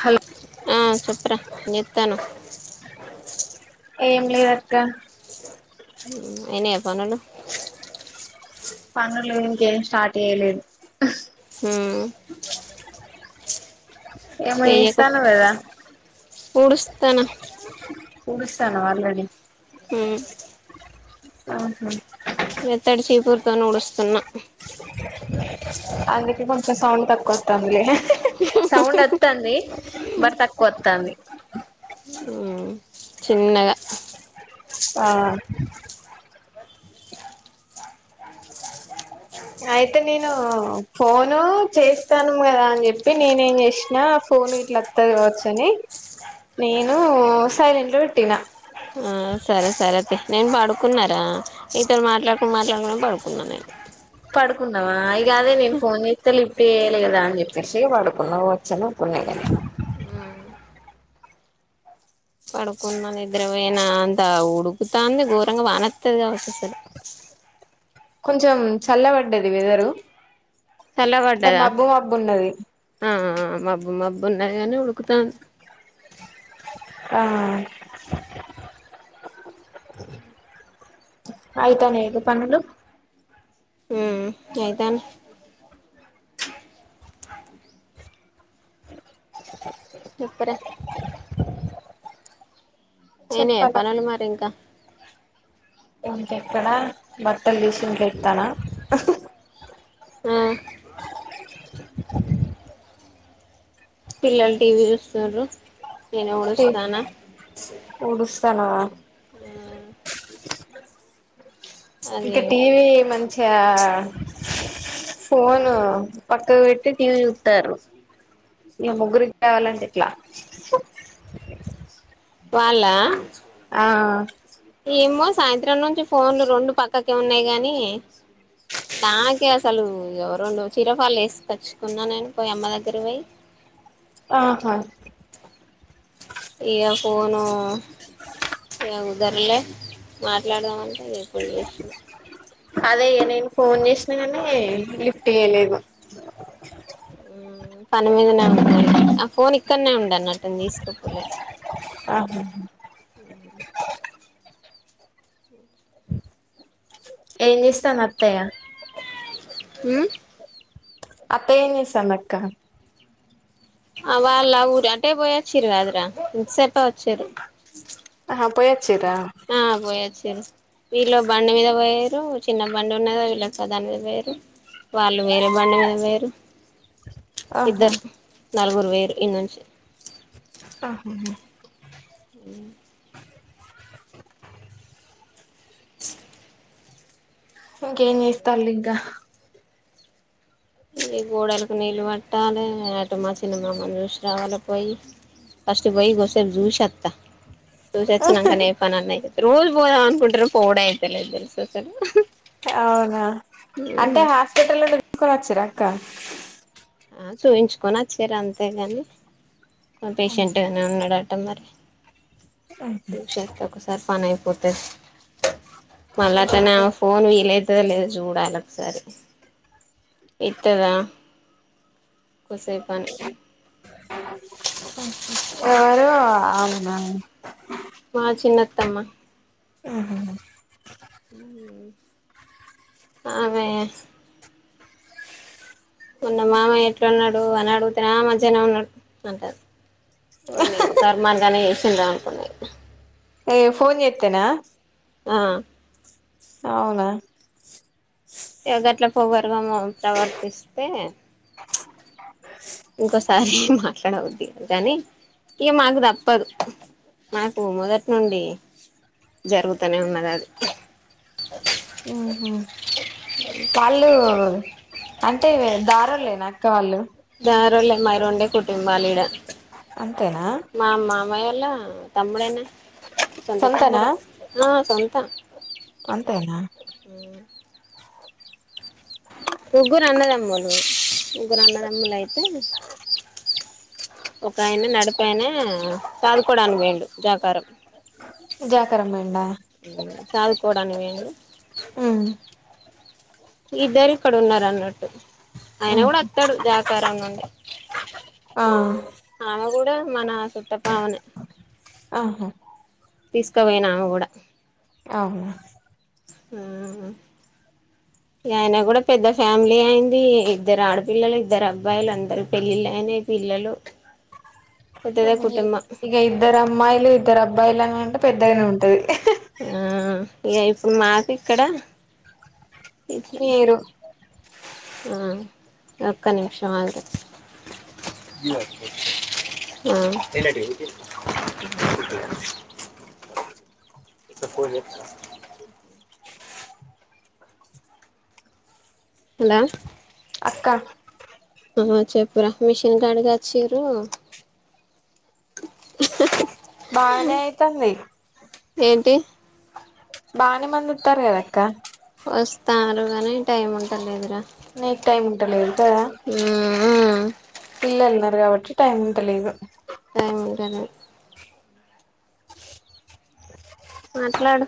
హల్ ఆ చెప్ర జేత్తాన్నావ్ ఏం లేదక్క అయినైయా పనులు పనులు ఇంకేం స్టార్ట్ ఏయ్యలేదు ఆ ఏమో చెయ్యకు ఇస్తాన్నావ్ గదా ఊడుస్తానా ఊడుస్తాన్నం ఆల్రెడీ మ్ ఆహా ఎత్తడి చీపురుతోను ఉడుస్తున్నా అందుకే కొంచం సౌండ్ తక్కువత్తాంది. సౌండ్ వొత్తాంది బట్ తక్కువొత్తాంది మ్ చిన్నగా ఆ అయితే నేను ఫోను చేస్తాను కదా అని చెప్పి నేనేం చేసినా ఆ ఫోను ఇట్లా దవచ్చని నేను సైలెంట్ లో పెట్టినా ఆ, సరే సరే అతే నేను పడుకున్నారా ఇతరు మాట్లాడుకుని మాట్లాడుకుని పడుకున్నా నేను పడుకున్నావా ఇక అదే నేను ఫోన్ చేస్తే లిఫ్ట్ చేయలేదా అని చెప్పేసి పడుకున్నావు వచ్చి అనుకున్నా [unintelligible] మ్ పడుకున్న నిద్రబోయిన అంత ఉడుకుతాంది ఘోరంగా వానోత్తది కావచ్చు అసలు కొంచెం చల్లబడ్డది వెదరు అంటే చల్లబడ్డదా మబ్బు మబ్బు ఉన్నది ఆ మబ్బు మబ్బు ఉన్నది కగాని ఉడుకు తాం ఆ ఆయితనయా పనులు అయితాన్నే చెప్పురా అయినయా చెప్పాల పనులు మరి ఇంకా ఇంకెక్కడా బట్టలు తీసి ఇంట్ల ఎత్తన్న ఆ పిల్లలు టీవీ చూస్తారు నేను ఊడుస్తన్న ఊడుస్తానావ ఇక అది టీవీ మంచిగా ఫోను పక్కకు పెట్టి టీవీ చూతారు మీ ముగ్గురికి కావాలంటే ఎట్లా వాళ్ల ఆ ఎమ్మె సాయంత్రం నుంచి ఫోన్లు రెండు పక్కకే ఉన్నాయి కని నాకే అసలు ఇగ రెండు చీర ఫాల్లు వేసుకొచ్చుకున్నా నేను పోయి అమ్మ దగ్గర పోయి ఆహా ఇక ఫోను ఇగ కుదరలే మాట్లాడదామంటే ఏ అదే నేను ఫోన్ చేసిన కానీ లిఫ్ట్ చేయలేదు పని మీదనే ఉన్న ఆ ఫోన్ ఇక్కడనే ఉండే అన్నట్టు నేను తీసుకోపోలే ఆహా ఉ ఏం చేస్తాంది అత్తాయ హ అత్తయ్య ఏం చేస్తోంది అక్క ఆ వాళ్ల ఊరి అంటే పోయ్యి వచ్చిర్ర్ కాదురా ఇంతసేపే వచ్చిండ్లు ఆహా పోయాచ్చీరా ఆ పోయొచ్చిండ్రు వీళ్లో బండి మీద పోయిర్రు చిన్న బండి ఉన్నదా వీళ్ళ సదాని మీద పోయరు వాళ్ళు వేరే బండి మీద పోయిర్రు ఆహా ఇద్దరు నలుగురు వేరు ఇ నుంచి ఆహా ఉ ఇంకేం చేస్తాళ్ళు ఇంకా ఈ గోడలకు నీళ్ళు పట్టాలి అటు మా చిన్న మామ్మని చూసి రావాల పోయి ఫస్ట్ పోయి కోసేపు చూసి అత్త చూసొచ్చినాకనే ఏ పని అన్న అయి రోజు పోదాం అనుకుంటాన పోవుడే అయితలేదు తెలుస అసలు అవునా అంటే హాస్పిటల్ నుంది తీసుకొని వచ్చరాక్క ఆ చూపించుకొని ఆచిర్రు అంతేగాని పేషెంట్ గానే ఉన్నాడు అట్ట మరి చూసొస్తే ఒకసారి పని అయిపోతది మళ్ళా అట్లనే చూషొత్తే ఫోన్ వీలైతుందో లేదు చూడాలి ఒకసారి ఇత్తద కోసేపు ఎవరు ఆవునా మా చిన్నత్తమ్మ అదే ఉన్న మామ ఎట్లన్నడు అని అడుగు తిన మధ్యనే ఉన్నాడు అంటారు ఓర్నీ ఒక అర్మన్గానే చేసిండా అనుకున్నా ఏ ఫోన్చేత్తనా ఆ అవునా ఇగ గట్ల పొగర్గా ప్రవర్తిస్తే ఇంకోసారి మాట్లాడవద్ది కాని ఇగ మాకు తప్పదు మనకు మొదటి నుండి జరుగుతనే ఉన్నది అది ఉహు వాళ్ళు అంటే దారులేనా అక్క వాళ్ళు ధారళ మైరుంటే కుటుంబలిడా అంతేనా మా మామాయోల్ళ తమ్ముడేనా సొంత సొంతనా తమ్ముడు ఆ సొంతం అంతేనా అ ముగ్గురు అన్నదమ్ములు ముగ్గురు అన్నదమ్ములయితే ఒక ఆయన నడిపయిన తనుకోడానికి వీళ్ళు జాకారం జకరం పోయిండా చదువుకోవడానికి పోయిండు ఉమ్ ఇద్దరు ఇక్కడున్నరు అన్నట్టు ఆయన ఉమ్ కూడా అత్తడు జాకారం నుండి ఆ ఆమె కూడా మన సుట్టపావనే ఆహా తీసుకుపోయినామేకూడా అవు ఆహ ఆయన కూడా పెద్ద ఫ్యామిలీ అయింది ఇద్దరు ఆడపిల్లలు ఇద్దరు అబ్బాయిలు అందరు పెళ్ళిళ్ళయిన పిల్లలు పెద్దదే కుటుంబం ఇక ఇద్దరు అమ్మాయిలు ఇద్దరు అబ్బయిలు అని అంటే పెద్దగానే ఉంటది ఆ ఇక ఇప్పుడు మాకు ఇక్కడ ఇట్ల మీరు ఆ ఒక్క నిమిషం ఆగు ఆ ఎప్పోలీ హలొ అక్క ఆ చెప్పురా మిషన్ గడిగచ్చిరు బానేయితంది ఏంటి బాని మంది వోతరూ కదక్క వస్తారు కానీ టైం అంటర్లేదురా నీకు టైమ్ ఉంటలేదు కదా. మ్మ్ పిల్లలున్నారు కాబట్టి టైం ఉంటలేదు. టైముంటన. మాట్లాడు.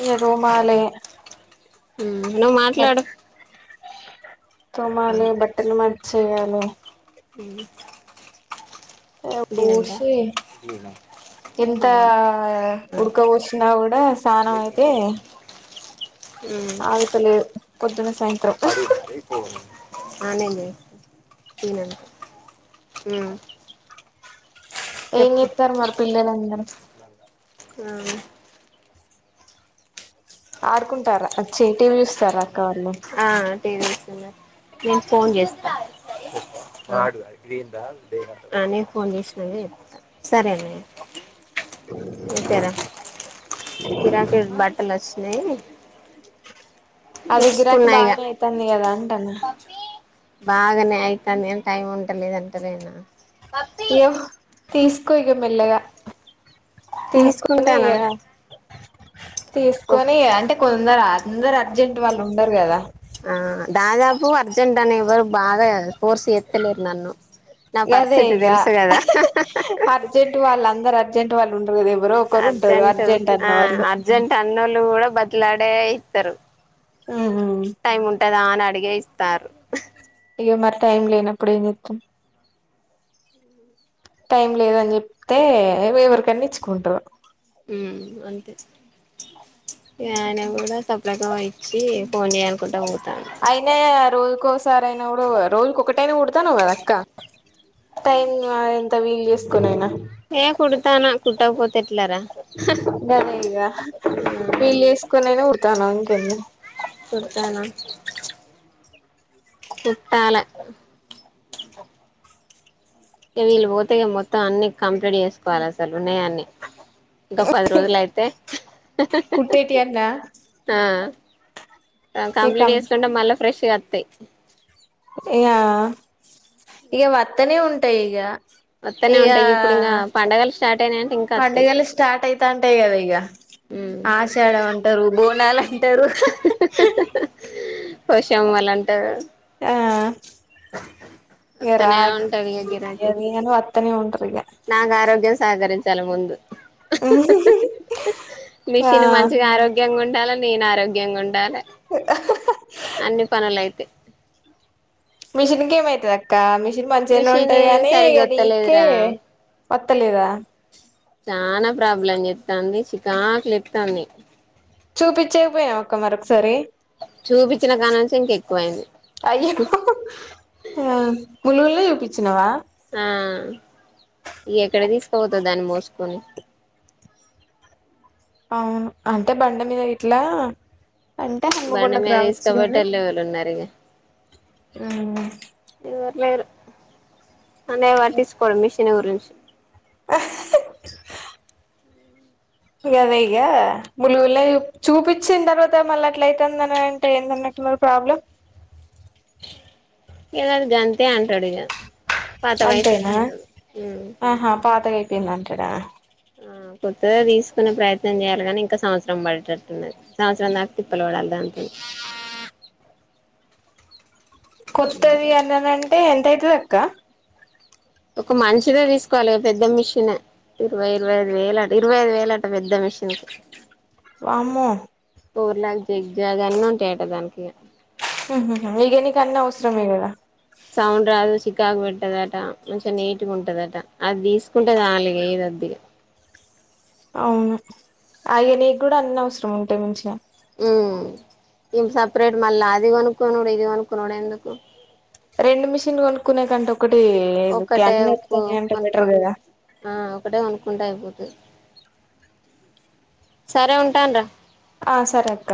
ఈగ తోమాలే. ఉమ్ నువ్వు బట్ మాట్లాడు. తోమాలే బట్టలు మార్చేయాలే. అ ఇగ ఊర్షి ఎంత దీనంత ఉుడ్క పోస్తుంది. కున్న కూడా అసల్. స్నానం అయితే ఆగుతలేదు పొద్దున్న సాయంత్రం. అనంద్ తిను ఉమ్. ఏం చెస్తారు మరి పిల్లలు. ఆ. ఆడుకుంటారు అక్క చ్చి టీవీ చూస్తారు అక్క వాళ్ళు. ఆ టీవస్తున్నా నేను ఫోన్ చేస్తా. ఆ నేను ఫోన్ చేసినానే చెప్తా. సరేనే. ఉంటారా గిరాకీ బట్టలు వచ్చినాయి. ఆవి గిరాకీ తీసుకున్నా ఇగ బాగా అయితుంది కదా అంటాన. బాగానే అయితంది కానీ టైం ఉంటలేదు ఉంటలేదు. ఇగ తీసుకో ఇగా మెల్లగా తీసుకొని తీసుకుంటానా ఇగా. తీసుకొని ఇగా అంటే కొందరు అందరు అర్జెంట్ వాళ్ళు ఉండరు కదా. ఆ దాదాపు అర్జెంటట్ అని ఎవరు బాగా ఫోర్స్ ఎత్తలేరు నన్ను. నా గదే పరిస్థితి ఇగ తెలుసు కదా. అర్జెంట్ వాళ్ళుందరరు అర్జెంట్ వాళ్ళు ఉండరు కదా ఎవరో ఒకరు ఉంటారు అర్జెంట్ అన్న వాళ్ళు. తమిన్నోళ్ళు కూడా బతిలాడే ఇస్తారు టైం ఉంటు. టదా అని అడిగే ఇస్తారు. ఇగా మరి టైం లేనప్పుడు ఏం చెద్దాం. అ. టైం లేదని చెప్తే ఏమో ఎవరికని ఇచ్చుకుంటారు. ఉమ్ అంతే. ఇగా ఆయన కూడా సప్పుడేకా వచ్చి ఫోన్ చేయనుకుంటా పో. అయినే రోజుకోసారి అయిన కూడా రోజుకు ఒకటి. టేన్ను కొడతానువ్ కదక్క టైం ఎంత వీలు చేసుకోనయినా. ఏ కొడతాను కూడా కుట్టకపోతే ఎట్లారా. గదే ‌ఇగా ఆ వీళ్ళు చేసుకోనైనా కొడతానవ్ ఇంకేంది. కొడుతనా కుట్టాల. ఓగొ వీళ్ళు పోతే మొత్తం అన్ని కంప్లీంట్ చేసుకోవాలి అసల్ ఉన్నాయాని‌. ఇంకా పది రోజులు అయితే కుట్టేటియన్నా ఆ. ఇగ కంప్లీట్ కం చేసుకుంటే మళ్ళీ ఫ్రెష్గా వస్తాయి. ఇగా వత్తనే ఉంటాయి ఇగా. వస్తూనే ఉంటాయి ఇప్పుడు ఇంగా పండుగలు స్టార్ట్ అయినాయంటే ఇంకా వస్తాయి. పండుగలు స్టార్ట్ అయితా ఉంటాయి కదా ఈగ. ఉమ్ ఆషాడ అంటారు బోనాలు అంటారు. పోషం అలాంటే ఆ ఎ వత్తనే రాక్ ఉంటది ఇగ గిరాకి అదిను అత్తని ఉంటాది ఈగ నాకు ఆరోగ్యం సహకరించాలి ముందు ఆ మిషిన్ మంచిగా ఆరోగ్ ఆరోగ్యంగా ఉండాలి నేను ఆరోగ్యంగా ఉండాల అన్ని పనులైతే మిషన్కి ఏమ్ అయితది ఇంకా మిషన్ మంచిగానే మిషన్ ఉంటాది కాగానీ సరిగా నీకే వత్తలేదురా కొత్తలేదా చనా ప్రాబ్లం చెప్తుంది చికాకులు ఎప్తుంది చూపించకపోయవ ఆక్క మరొకసారి చూపించిన కాణంచి ఇంక ఎక్కువయింది ములుగులో చూపించినవా ఆ ఎక్కడ తీసుకుపోతు దాన్ని మోసుకొని అంటే బండ మీద గీట్లా అంటే బండి హనుమకొండకు మీద రావచ్చు గాని తీసుకపోయేటోళ్ళు ఎవలు ఉన్నారు ఇగ ఎవరు లేరు అన్నే వారు తీసుకోవడం మిషన్ గురించి యాద ఇగ ములుగుల చూపించిన తర్వాత మళ్ళీ అట్లయితదన అంటే ఎన్దిఅనంత్ లావ్ ప్రాబ్లమ్ ఎద జంతే అంటాడు ఇగ పాత వయసు అని అంతేనా అంటాడు ఆహా పాతగాయిపోయింది అంటాడా ఆ కొత్తగా తీసుకునే ప్రయత్నం చేయాలిగానీ ఇంకా సంవత్సరం పడేటట్టుందిది సంవత్సరం దాకా తిప్పలు పడాలి దాంతోనీ ఆ కొత్తది అన్నది అంటే ఎంత అయితది ఆక్క ఒక మంచిదే తీసుకోవాలిగా పెద్ద మిషనే ఇరవై ఇరవై ఐదు వేల ఇరవైదు వేలంట పెద్ద మిషిను వామ్మో పూర్ లాక్ జీగ్ జాగ్ అన్ని ఉంటాయట దానికి నెక్కిందిక అన్ని అవసరమే కదా సౌండ్ రాదు చికాకు పెట్టదట కొంచెం నీటుగా ఉంటదట అది తీసుకుంటే చాలు ఇక [unintelligible] అవును అయి నీకు కూడా అన్ని అవసరం ఉంటాయి మంచిగా మ్మ్ సపరేట్ మళ్ళా అది కొనుక్కున్నాడు ఇది కొనుకున్నాడు ఎందుకు రెండు మిషన్ కొనుక్కునే కంటే ఒకటి ఇది ఒక్కటే క్యాన్ ఎతున్నా అంటే బెటర్ కొనుక్కుంట కదా ఆ ఒకటే కొనుకుంటే అయిపోది సరే ఉంటాన రా ఆ సరే అక్క